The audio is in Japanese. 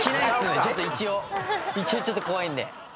一応ちょっと怖いんで。